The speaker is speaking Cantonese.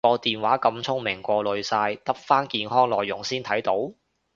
個電話咁聰明過濾晒得返健康內容先睇到？